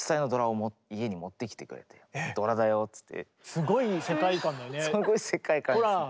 すごい世界観だよね。